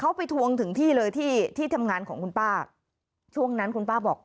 เขาไปทวงถึงที่เลยที่ที่ทำงานของคุณป้าช่วงนั้นคุณป้าบอก